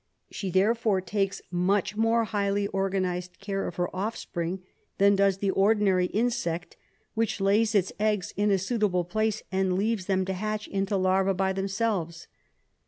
She therefore takes much more highly organised care of her offspring than does the ordinary insect which lays its eggs in a suitable place and leaves them to hatch into larvse by themselves.